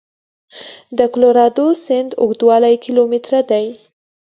د کلورادو سیند اوږدوالی کیلومتره دی.